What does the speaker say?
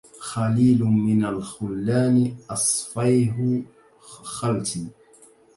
خليل من الخلان أصفيه خلتي